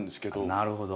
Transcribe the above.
なるほど。